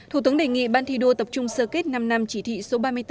thủ tướng đề nghị ban thi đua tập trung sơ kết năm năm chỉ thị số ba mươi bốn